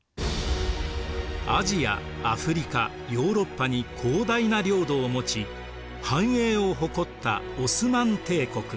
アジアアフリカヨーロッパに広大な領土を持ち繁栄を誇ったオスマン帝国。